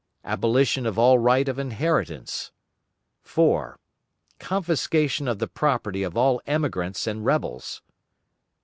Abolition of all right of inheritance. 4. Confiscation of the property of all emigrants and rebels.